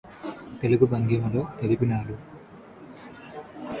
తెలుగు భంగిమములు తెలిపినాడు